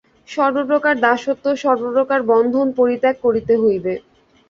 সর্বপ্রকার দাসত্ব ও সর্বপ্রকার বন্ধন পরিত্যাগ করিতে হইবে।